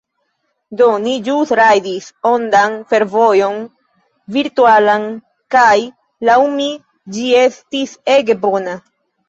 Do, ni ĵus rajdis ondan fervojon virtualan kaj, laŭ mi, ĝi estis ege bona